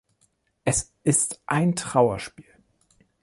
Es ist ein Trauerspiel.